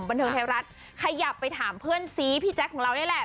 บันเทิงไทยรัฐขยับไปถามเพื่อนซีพี่แจ๊คของเรานี่แหละ